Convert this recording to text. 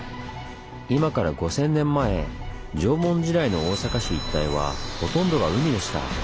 今から５，０００年前縄文時代の大阪市一帯はほとんどが海でした。